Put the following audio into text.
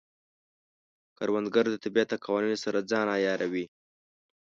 کروندګر د طبیعت د قوانینو سره ځان عیاروي